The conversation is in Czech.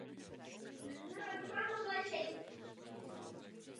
Je také nutné zavést lepší kontroly.